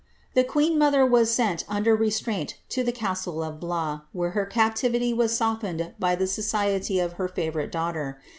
The queen mother was sent under re straint to the castle of Blois, where her captivity was softened by the society of her favourite daughter.